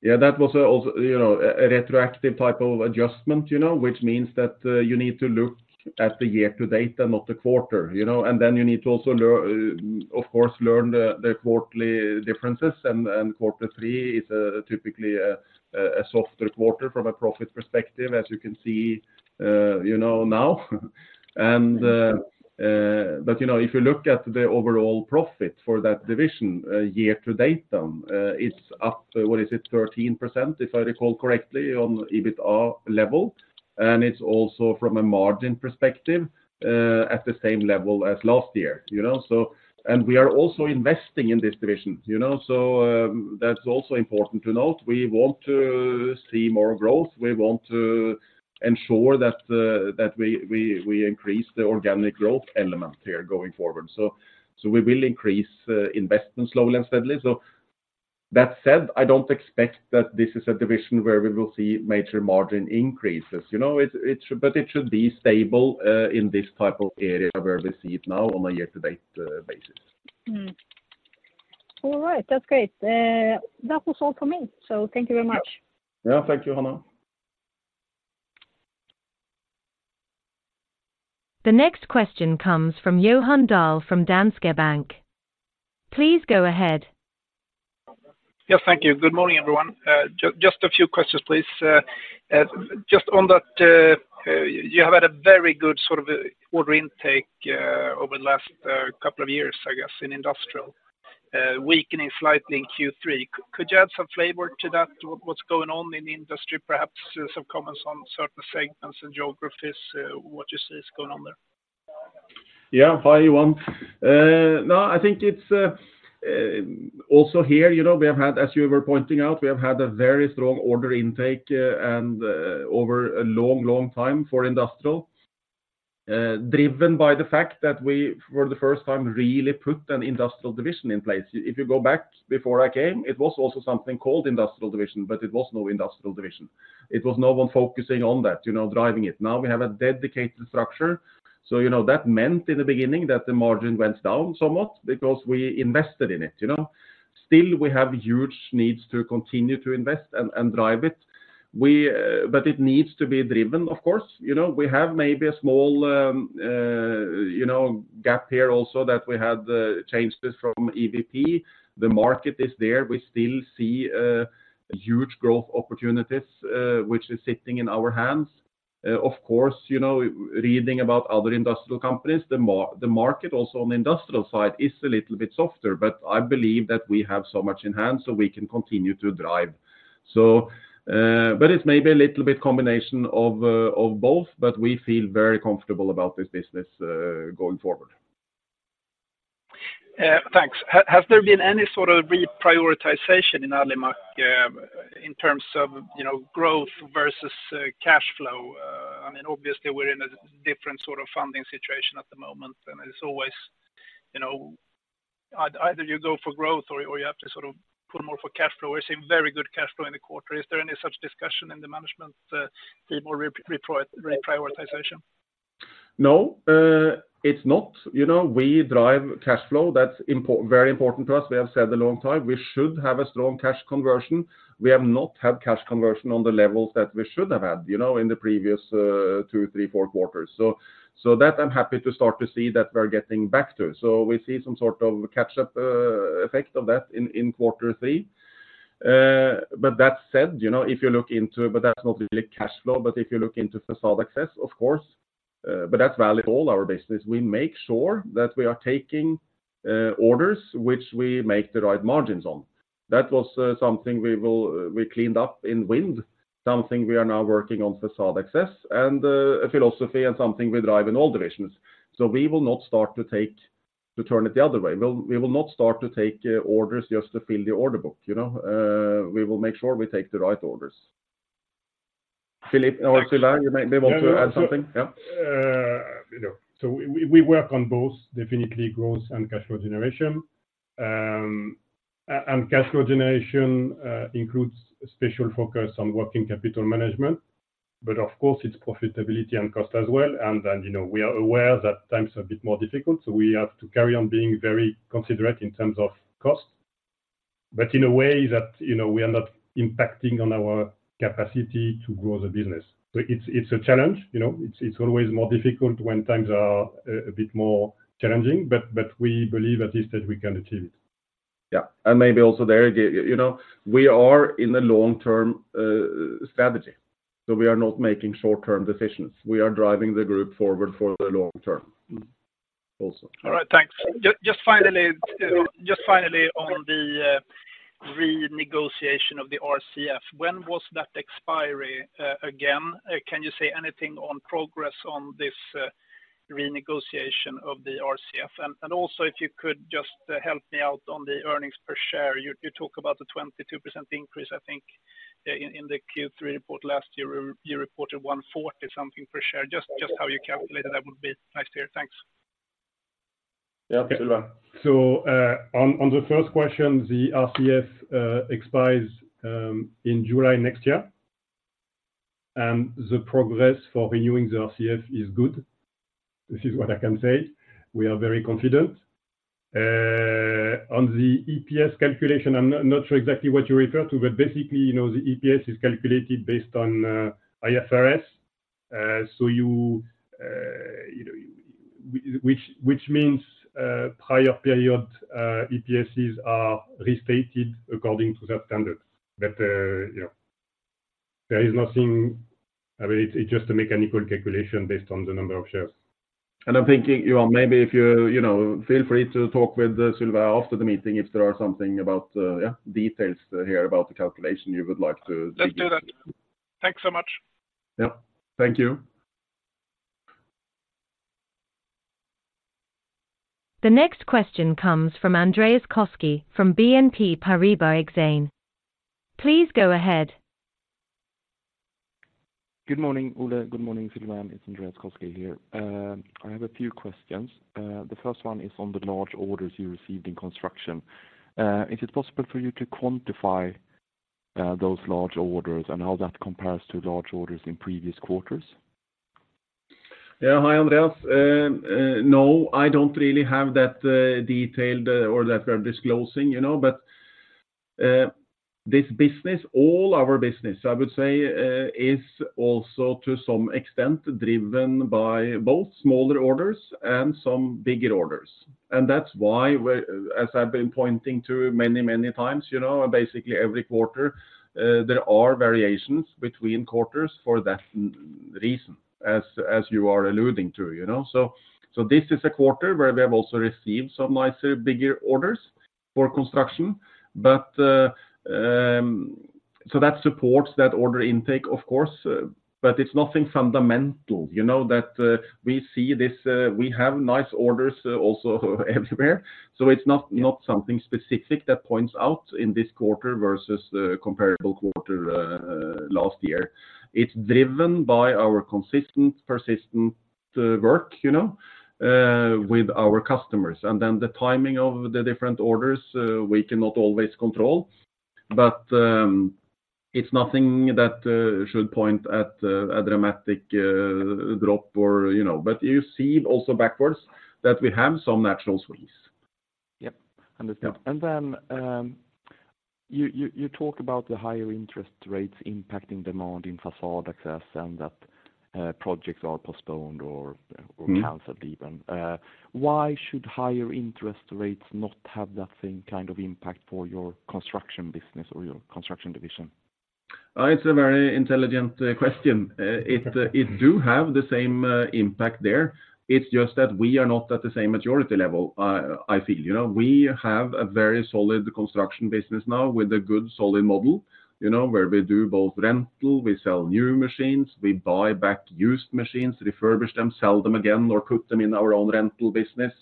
Yeah, that was also, you know, a retroactive type of adjustment, you know, which means that you need to look at the year to date and not the quarter, you know? And then you need to also, of course, learn the quarterly differences, and quarter three is typically a softer quarter from a profit perspective, as you can see, you know now. And, Thanks. But, you know, if you look at the overall profit for that division, year to date, it's up, what is it? 13%, if I recall correctly, on the EBITDA level, and it's also from a margin perspective, at the same level as last year, you know, so... And we are also investing in this division, you know, so, that's also important to note. We want to see more growth. We want to ensure that, that we, we, we increase the organic growth element here going forward. So, so we will increase, investment slowly and steadily. So that said, I don't expect that this is a division where we will see major margin increases, you know, it, it, but it should be stable, in this type of area where we see it now on a year to date, basis. All right. That's great. That was all for me, so thank you very much. Yeah, thank you, Hanna. The next question comes from Johan Dahl from Danske Bank. Please go ahead. Yeah, thank you. Good morning, everyone. Just a few questions, please. Just on that, you have had a very good sort of order intake over the last couple of years, I guess, in industrial, weakening slightly in Q3. Could you add some flavor to that, to what's going on in the industry? Perhaps some comments on certain segments and geographies, what you see is going on there. Yeah. Hi, Johan. No, I think it's also here, you know, we have had, as you were pointing out, we have had a very strong order intake, and over a long, long time for industrial. Driven by the fact that we, for the first time, really put an industrial division in place. If you go back before I came, it was also something called industrial division, but it was no industrial division. It was no one focusing on that, you know, driving it. Now, we have a dedicated structure. So, you know, that meant in the beginning that the margin went down somewhat because we invested in it, you know? Still, we have huge needs to continue to invest and drive it. But it needs to be driven, of course, you know, we have maybe a small, you know, gap here also that we had changes from EVP. The market is there. We still see huge growth opportunities, which is sitting in our hands. Of course, you know, reading about other industrial companies, the market also on the industrial side is a little bit softer, but I believe that we have so much in hand, so we can continue to drive. So, but it's maybe a little bit combination of both, but we feel very comfortable about this business going forward. Thanks. Has there been any sort of reprioritization in Alimak in terms of, you know, growth versus cash flow? I mean, obviously, we're in a different sort of funding situation at the moment, and it's always, you know, either you go for growth or you have to sort of pull more for cash flow. We're seeing very good cash flow in the quarter. Is there any such discussion in the management, more reprioritization? No, it's not. You know, we drive cash flow, that's important—very important to us. We have said a long time, we should have a strong cash conversion. We have not had cash conversion on the levels that we should have had, you know, in the previous, 2, 3, 4 quarters. So, that I'm happy to start to see that we're getting back to. So we see some sort of catch up effect of that in quarter three. But that said, you know, if you look into it, but that's not really cash flow. But if you look into Facade Access, of course, but that's valid, all our business. We make sure that we are taking orders which we make the right margins on. That was something we will—we cleaned up in wind, something we are now working on Facade Access, and a philosophy and something we drive in all divisions. So we will not start to take—to turn it the other way. We'll—we will not start to take orders just to fill the order book, you know, we will make sure we take the right orders. Philippe or Sylvain, you may maybe want to add something? Yeah. You know, so we work on both definitely growth and cash flow generation. And cash flow generation includes a special focus on working capital management, but of course, it's profitability and cost as well. And then, you know, we are aware that times are a bit more difficult, so we have to carry on being very considerate in terms of cost. But in a way that, you know, we are not impacting on our capacity to grow the business. So it's a challenge, you know, it's always more difficult when times are a bit more challenging, but we believe at least that we can achieve it. Yeah, and maybe also there, you know, we are in a long-term strategy, so we are not making short-term decisions. We are driving the group forward for the long term, also. All right, thanks. Just, just finally, just finally on the renegotiation of the RCF, when was that expiry, again? Can you say anything on progress on this renegotiation of the RCF? And, and also, if you could just help me out on the earnings per share. You, you talk about the 22% increase, I think, in the Q3 report last year, you, you reported 1.40-something SEK per share. Just, just how you calculated that would be nice to hear. Thanks. Yeah, Sylvain. So, on the first question, the RCF expires in July next year, and the progress for renewing the RCF is good. This is what I can say, we are very confident. On the EPS calculation, I'm not sure exactly what you refer to, but basically, you know, the EPS is calculated based on IFRS. So you know, which means, prior period EPSs are restated according to that standard. But you know, there is nothing... I mean, it's just a mechanical calculation based on the number of shares. I'm thinking, Johan, maybe if you, you know, feel free to talk with Sylvain after the meeting, if there are something about, details here about the calculation you would like to- Let's do that. Thanks so much. Yep. Thank you. The next question comes from Andreas Koski from BNP Paribas Exane. Please go ahead. Good morning, Ole, good morning, Sylvain. It's Andreas Koski here. I have a few questions. The first one is on the large orders you received in construction. Is it possible for you to quantify those large orders and how that compares to large orders in previous quarters? Yeah. Hi, Andreas. No, I don't really have that detailed or that we're disclosing, you know, but this business, all our business, I would say, is also to some extent driven by both smaller orders and some bigger orders. And that's why we—as I've been pointing to many, many times, you know, basically every quarter, there are variations between quarters for that reason, as you are alluding to, you know. So this is a quarter where we have also received some nice, bigger orders for construction, but so that supports that order intake, of course, but it's nothing fundamental. You know, that we see this, we have nice orders also everywhere, so it's not something specific that points out in this quarter versus the comparable quarter last year. It's driven by our consistent, persistent, work, you know, with our customers, and then the timing of the different orders, we cannot always control. But, it's nothing that should point at a dramatic drop or, you know, but you see also backwards, that we have some natural swings. Yep, understood. Yeah. And then, you talk about the higher interest rates impacting demand in Facade Access and that projects are postponed or- Mm-hmm or canceled even. Why should higher interest rates not have the same kind of impact for your construction business or your construction division? It's a very intelligent question. It does have the same impact there. It's just that we are not at the same maturity level, I feel. You know, we have a very solid construction business now with a good, solid model, you know, where we do both rental, we sell new machines, we buy back used machines, refurbish them, sell them again, or put them in our own rental business,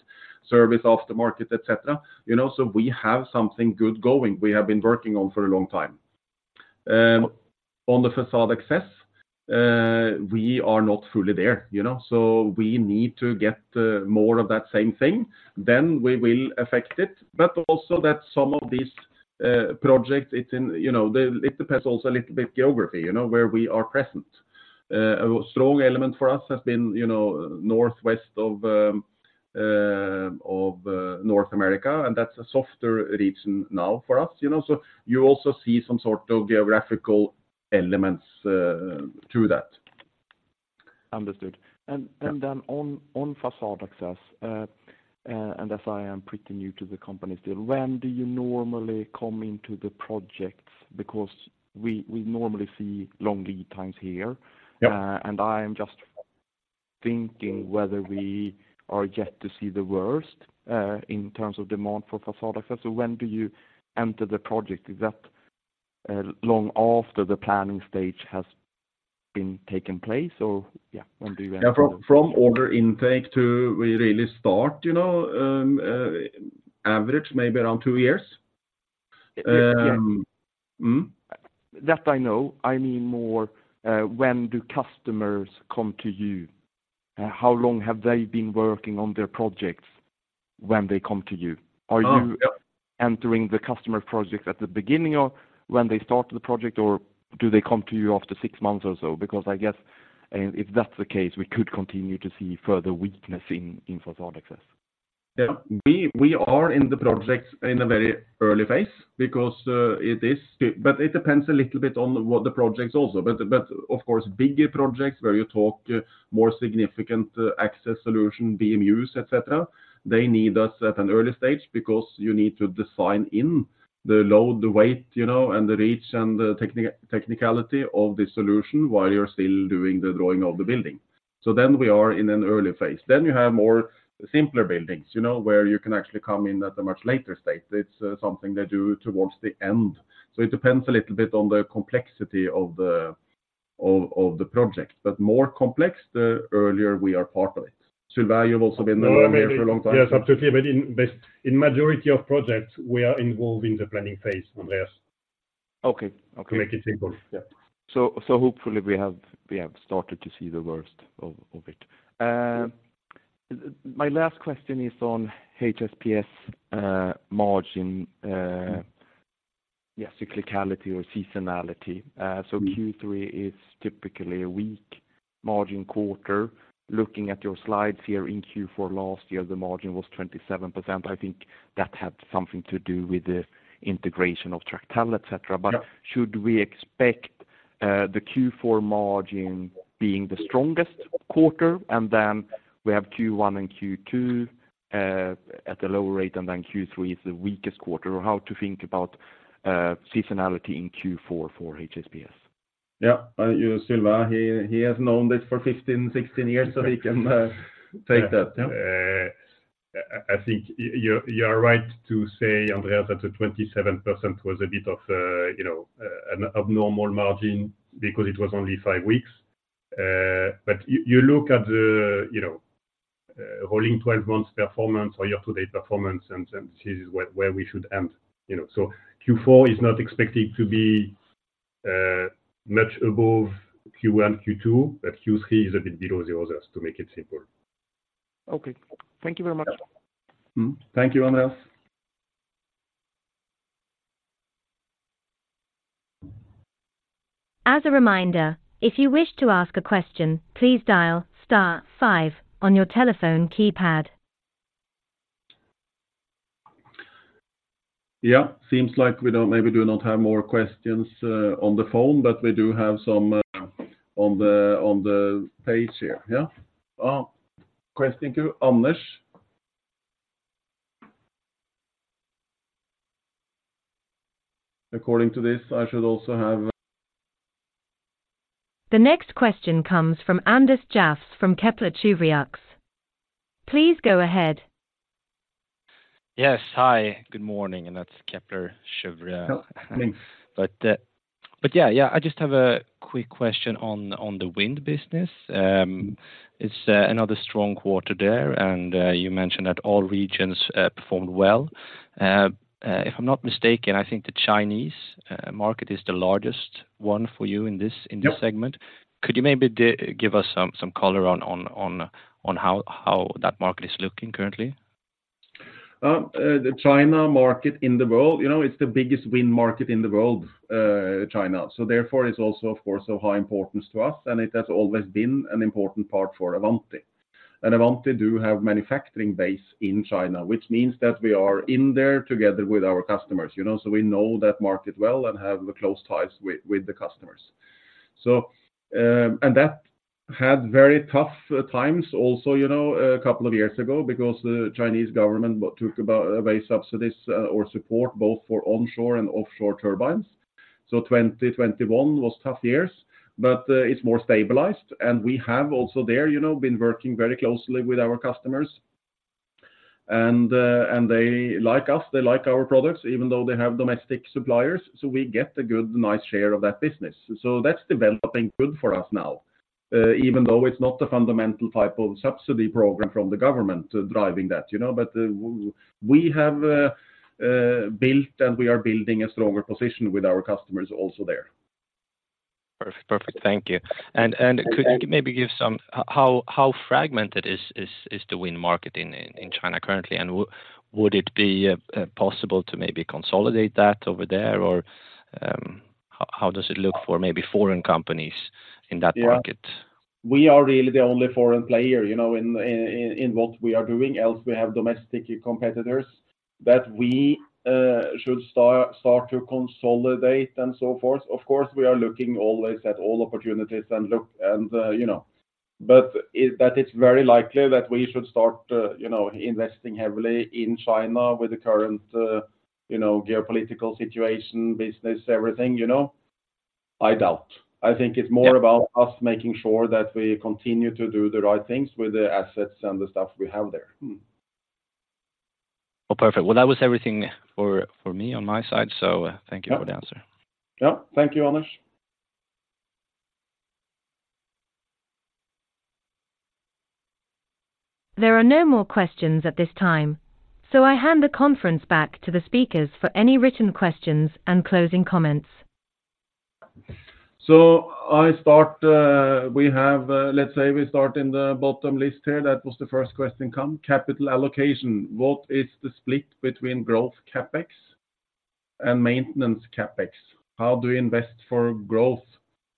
service after market, et cetera. You know, so we have something good going, we have been working on for a long time. On the Facade Access, we are not fully there, you know, so we need to get more of that same thing, then we will affect it. But also that some of these-... Project, it's in, you know, the, it depends also a little bit geography, you know, where we are present. A strong element for us has been, you know, northwest of North America, and that's a softer region now for us, you know. So you also see some sort of geographical elements through that. Understood. And then on facade access, and as I am pretty new to the company still, when do you normally come into the projects? Because we normally see long lead times here. Yeah. I am just thinking whether we are yet to see the worst in terms of demand for facade access. So when do you enter the project? Is that long after the planning stage has been taken place? Or when do you enter- Yeah, from order intake to we really start, you know, average, maybe around two years. Yeah. Mm-hmm. That I know. I mean, more, when do customers come to you? How long have they been working on their projects when they come to you? Oh, yep. Are you entering the customer projects at the beginning of when they start the project, or do they come to you after six months or so? Because I guess, and if that's the case, we could continue to see further weakness in facade access. Yeah. We are in the projects in a very early phase because but it depends a little bit on what the projects also. But of course, bigger projects where you talk more significant access solution, BMUs, et cetera, they need us at an early stage because you need to design in the load, the weight, you know, and the reach, and the technicality of the solution while you're still doing the drawing of the building. So then we are in an early phase. Then you have more simpler buildings, you know, where you can actually come in at a much later stage. It's something they do towards the end. So it depends a little bit on the complexity of the, of the project, but more complex, the earlier we are part of it. Sylvain, you've also been there for a long time. Yes, absolutely. But in this, in majority of projects, we are involved in the planning phase, Andreas. Okay. Okay. To make it simple. Yeah. So, so hopefully we have, we have started to see the worst of, of it. My last question is on HSPS, margin, yeah, cyclicality or seasonality. So Q3 is typically a weak margin quarter. Looking at your slides here in Q4 last year, the margin was 27%. I think that had something to do with the integration of Tractel, et cetera. Yeah. But should we expect, the Q4 margin being the strongest quarter, and then we have Q1 and Q2, at the lower rate, and then Q3 is the weakest quarter? Or how to think about, seasonality in Q4 for HSPS? Yeah, Sylvain, he has known this for 15, 16 years, so he can take that. Yeah. I think you are right to say, Andreas, that the 27% was a bit of, you know, an abnormal margin because it was only five weeks. But you look at the, you know, rolling 12 months performance or year to date performance, and this is where we should end, you know. So Q4 is not expected to be much above Q1, Q2, but Q3 is a bit below the others, to make it simple. Okay. Thank you very much. Mm-hmm. Thank you, Andreas. As a reminder, if you wish to ask a question, please dial star five on your telephone keypad. Yeah. Seems like we don't have more questions on the phone, but we do have some on the page here. Yeah. Question to Anders. According to this, I should also have- The next question comes from Anders Idborg from Kepler Cheuvreux. Please go ahead. Yes, hi, good morning, and that's Kepler Cheuvreux. Yeah. Thanks. Yeah, I just have a quick question on the wind business. It's another strong quarter there, and you mentioned that all regions performed well. If I'm not mistaken, I think the Chinese market is the largest one for you in this- Yep in this segment. Could you maybe give us some color on how that market is looking currently? The China market in the world, you know, it's the biggest wind market in the world, China. Therefore, it's also, of course, of high importance to us, and it has always been an important part for Avanti. And Avanti do have manufacturing base in China, which means that we are in there together with our customers, you know, so we know that market well and have close ties with, with the customers. That had very tough times also, you know, a couple of years ago because the Chinese government took away wind subsidies, or support both for onshore and offshore turbines. 2021 was tough years, but it's more stabilized, and we have also there, you know, been working very closely with our customers. They like us, they like our products, even though they have domestic suppliers, so we get a good, nice share of that business. So that's developing good for us now, even though it's not a fundamental type of subsidy program from the government driving that, you know? But we have built, and we are building a stronger position with our customers also there. Perfect. Thank you. And could you maybe give some, how fragmented is the wind market in China currently? And would it be possible to maybe consolidate that over there? Or, how does it look for maybe foreign companies in that market? Yeah. We are really the only foreign player, you know, in what we are doing. Else we have domestic competitors that we should start to consolidate and so forth. Of course, we are looking always at all opportunities and, you know, but is that it's very likely that we should start, you know, investing heavily in China with the current, you know, geopolitical situation, business, everything, you know, I doubt. I think it's more- Yeah about us making sure that we continue to do the right things with the assets and the stuff we have there. Mm-hmm. Well, perfect. Well, that was everything for me on my side, so thank you for the answer. Yeah. Thank you, Anders. There are no more questions at this time, so I hand the conference back to the speakers for any written questions and closing comments. So I start, we have, let's say we start in the bottom list here. That was the first question come, capital allocation. What is the split between growth CapEx and maintenance CapEx? How do you invest for growth?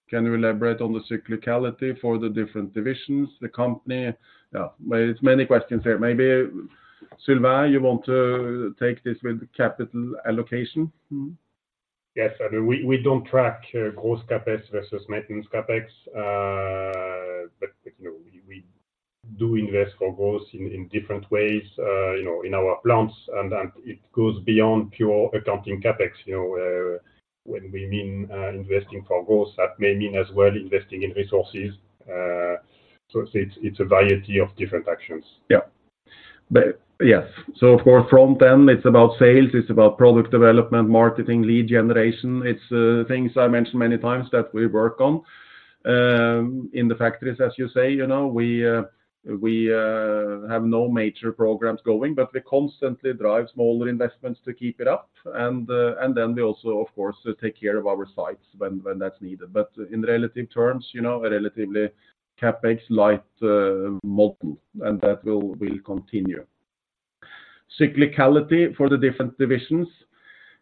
Can you elaborate on the cyclicality for the different divisions, the company? Yeah, well, it's many questions here. Maybe, Sylvain, you want to take this with capital allocation? Mm-hmm. Yes, I do. We don't track growth CapEx versus maintenance CapEx, but you know, we do invest for growth in different ways, you know, in our plants, and then it goes beyond pure accounting CapEx. You know, when we mean investing for growth, that may mean as well investing in resources. So it's a variety of different actions. Yeah. But yes, so of course, front end, it's about sales, it's about product development, marketing, lead generation. It's things I mentioned many times that we work on. In the factories, as you say, you know, we have no major programs going, but we constantly drive smaller investments to keep it up. And then we also, of course, take care of our sites when that's needed. But in relative terms, you know, a relatively CapEx light model, and that will continue. Cyclicality for the different divisions.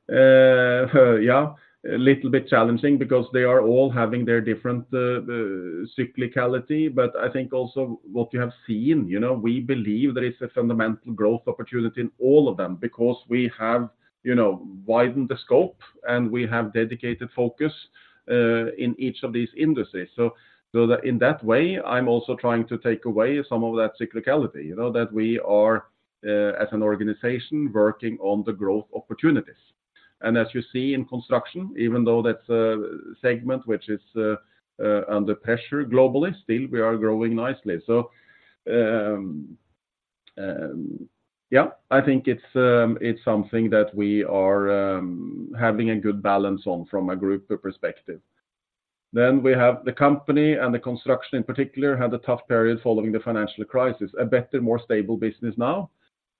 Yeah, a little bit challenging because they are all having their different cyclicality, but I think also what you have seen, you know, we believe there is a fundamental growth opportunity in all of them because we have, you know, widened the scope and we have dedicated focus in each of these industries. So that in that way, I'm also trying to take away some of that cyclicality, you know, that we are as an organization working on the growth opportunities. And as you see in construction, even though that's a segment which is under pressure globally, still we are growing nicely. So, yeah, I think it's something that we are having a good balance on from a group perspective. Then we have the company and the construction in particular, had a tough period following the financial crisis. A better, more stable business now?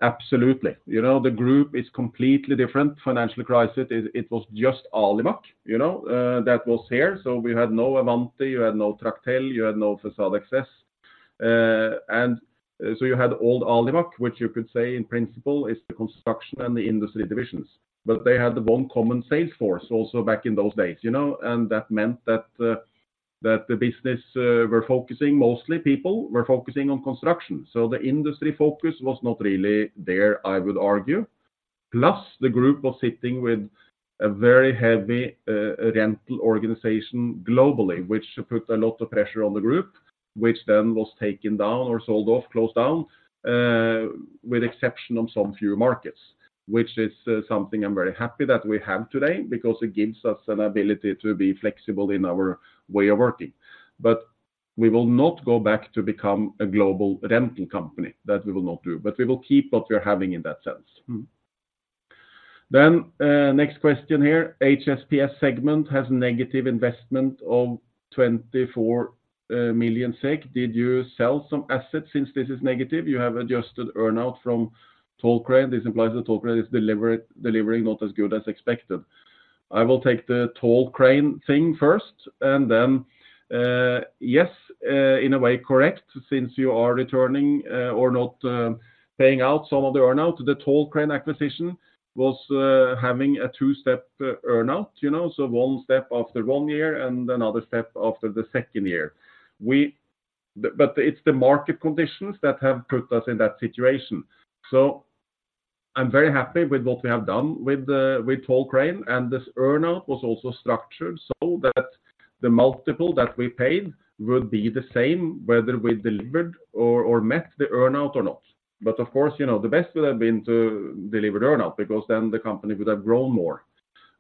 Absolutely. You know, the group is completely different. Financial crisis, it was just Alimak, you know, that was here. So we had no Avanti, you had no Tractel, you had no Facade Access. And so you had old Alimak, which you could say in principle is the construction and the industry divisions, but they had one common sales force also back in those days, you know, and that meant that, that the business were focusing, mostly people, were focusing on construction. So the industry focus was not really there, I would argue. Plus, the group was sitting with a very heavy rental organization globally, which put a lot of pressure on the group, which then was taken down or sold off, closed down, with exception of some few markets, which is something I'm very happy that we have today because it gives us an ability to be flexible in our way of working. But we will not go back to become a global rental company. That we will not do, but we will keep what we are having in that sense. Mm-hmm. Then, next question here: HSPS segment has negative investment of 24 million SEK. Did you sell some assets since this is negative? You have adjusted earn-out from Tall Crane. This implies the Tall Crane is delivering not as good as expected. I will take the Tall Crane thing first, and then, yes, in a way, correct, since you are returning, or not, paying out some of the earn-out, the Tall Crane acquisition was having a two-step, earn-out, you know, so one step after one year and another step after the second year. But it's the market conditions that have put us in that situation. So I'm very happy with what we have done with Tall Crane, and this earn-out was also structured so that the multiple that we paid would be the same whether we delivered or met the earn-out or not. But of course, you know, the best would have been to deliver the earn-out because then the company would have grown more.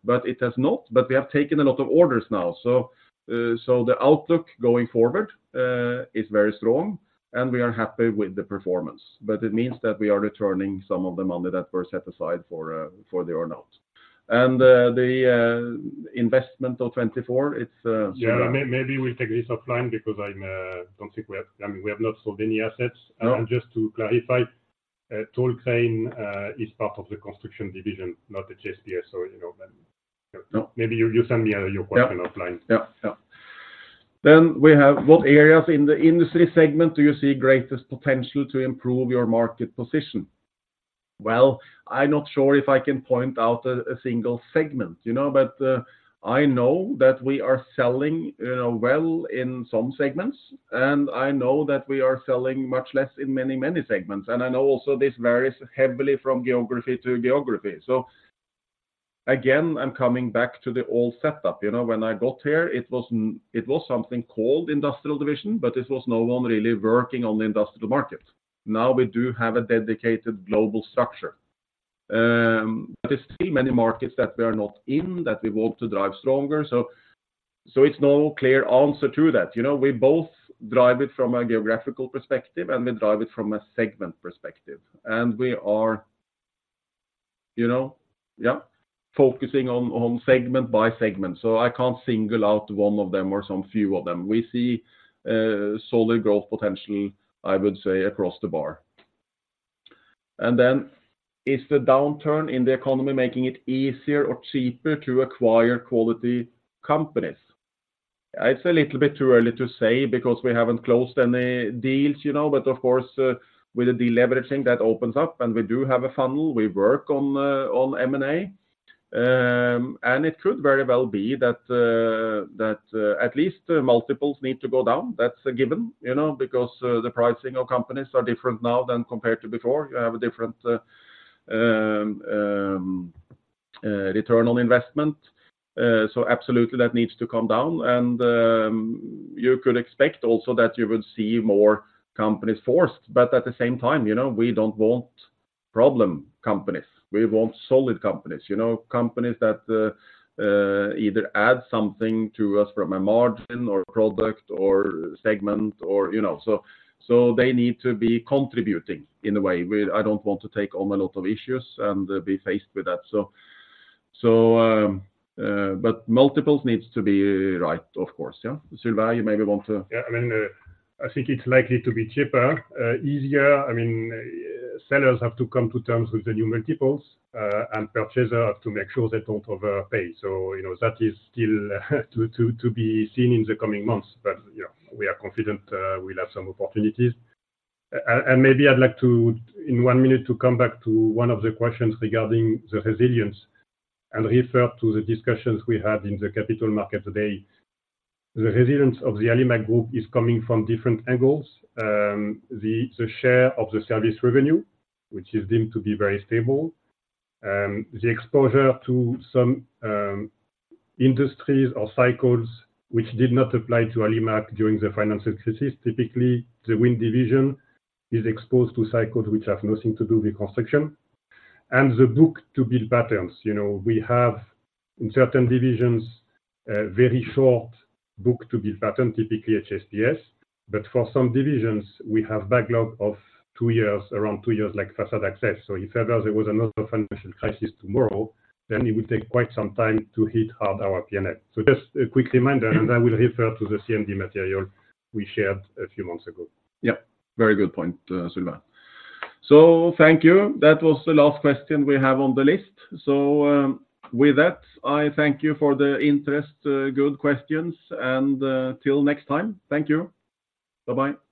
But it has not. We have taken a lot of orders now, so the outlook going forward is very strong, and we are happy with the performance, but it means that we are returning some of the money that were set aside for the earn-out. The investment of 24, it's Sylvain. Yeah, maybe we'll take this offline because I don't think we have. I mean, we have not sold any assets. No. Just to clarify, Tall Crane is part of the construction division, not the HSPS, so, you know, then- No. Maybe you send me your question offline. Yeah, yeah. Then we have, what areas in the industry segment do you see greatest potential to improve your market position? Well, I'm not sure if I can point out a single segment, you know, but I know that we are selling, you know, well in some segments, and I know that we are selling much less in many, many segments. And I know also this varies heavily from geography to geography. So again, I'm coming back to the old setup. You know, when I got here, it was, it was something called industrial division, but it was no one really working on the industrial market. Now we do have a dedicated global structure. But you see many markets that we are not in, that we want to drive stronger. So, it's no clear answer to that. You know, we both drive it from a geographical perspective, and we drive it from a segment perspective. And we are, you know, yeah, focusing on, on segment by segment, so I can't single out one of them or some few of them. We see solid growth potential, I would say, across the bar. And then, is the downturn in the economy making it easier or cheaper to acquire quality companies? It's a little bit too early to say because we haven't closed any deals, you know, but of course, with the deleveraging that opens up, and we do have a funnel, we work on the, on M&A. And it could very well be that, that at least multiples need to go down. That's a given, you know, because the pricing of companies are different now than compared to before. You have a different return on investment. So absolutely, that needs to come down, and you could expect also that you would see more companies forced. But at the same time, you know, we don't want problem companies. We want solid companies, you know, companies that either add something to us from a margin, or product, or segment, or, you know. So they need to be contributing in a way. I don't want to take on a lot of issues and be faced with that. So but multiples needs to be right, of course, yeah. Sylvain, you maybe want to- Yeah, I mean, I think it's likely to be cheaper, easier. I mean, sellers have to come to terms with the new multiples, and purchaser have to make sure they don't overpay. So, you know, that is still to be seen in the coming months. But, yeah, we are confident, we'll have some opportunities. And maybe I'd like to, in one minute, to come back to one of the questions regarding the resilience, and refer to the discussions we had in the capital market today. The resilience of the Alimak Group is coming from different angles. The share of the service revenue, which is deemed to be very stable, the exposure to some industries or cycles, which did not apply to Alimak during the financial crisis. Typically, the wind division is exposed to cycles which have nothing to do with construction. And the book-to-bill patterns, you know, we have in certain divisions, a very short book-to-bill pattern, typically HSPS. But for some divisions, we have backlog of two years, around two years, like facade access. So if there was another financial crisis tomorrow, then it would take quite some time to hit hard our P&L. So just a quick reminder, and I will refer to the CMD material we shared a few months ago. Yeah, very good point, Sylvain. So thank you. That was the last question we have on the list. So, with that, I thank you for the interest, good questions, and till next time. Thank you. Bye-bye.